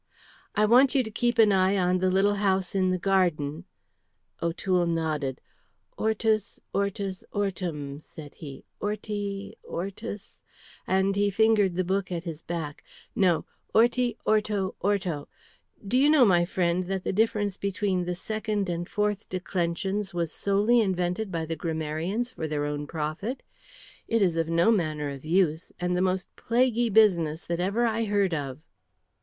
"I want you to keep an eye on the little house in the garden " O'Toole nodded. "Hortus, hortus, hortum," said he, "horti hortus," and he fingered the book at his back, "no, horti, horto, horto. Do you know, my friend, that the difference between the second and fourth declensions was solely invented by the grammarians for their own profit. It is of no manner of use, and the most plaguy business that ever I heard of."